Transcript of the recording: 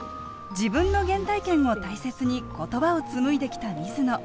自分の原体験を大切に言葉を紡いできた水野。